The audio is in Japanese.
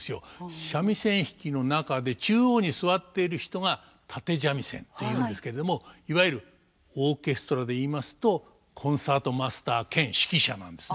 三味線弾きの中で中央に座っている人が立三味線というんですけれどもいわゆるオーケストラで言いますとコンサートマスター兼指揮者なんですね。